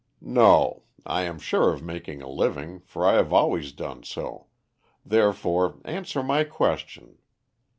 "No. I am sure of making a living, for I have always done so; therefore answer my question.